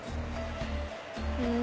うん。